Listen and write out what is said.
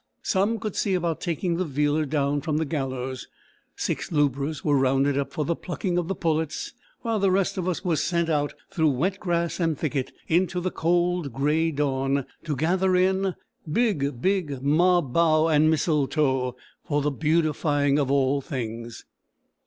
Some could see about taking the Vealer down from the gallows; six lubras were "rounded up" for the plucking of the pullets, while the rest of us were sent out, through wet grass and thicket, into the cold, grey dawn, to gather in "big, big mob bough and mistletoe," for the beautifying of all things.